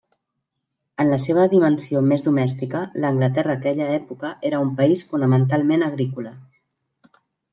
En la seva dimensió més domèstica, l'Anglaterra d'aquella època era un país fonamentalment agrícola.